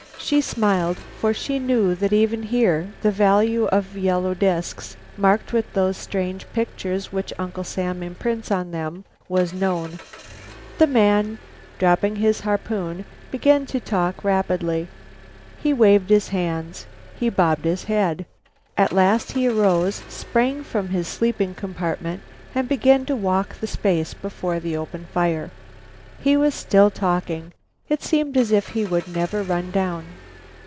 She smiled, for she knew that even here the value of yellow disks marked with those strange pictures which Uncle Sam imprints upon them was known. The man, dropping his harpoon, began to talk rapidly. He waved his hands. He bobbed his head. At last he arose, sprang from the sleeping compartment and began to walk the space before the open fire. He was still talking. It seemed as if he would never run down.